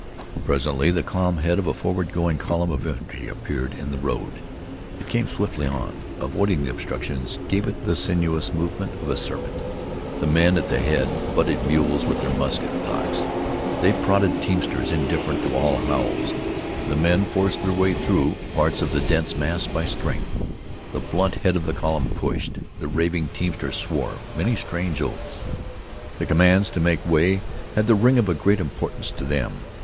Presently the calm head of a forward going column of infantry appeared in the road. It came swiftly on. Avoiding the obstructions gave it the sinuous movement of a serpent. The men at the head butted mules with their musket stocks. They prodded teamsters indifferent to all howls. The men forced their way through parts of the dense mass by strength. The blunt head of the column pushed. The raving teamsters swore many strange oaths. The commands to make way had the ring of a great importance in them.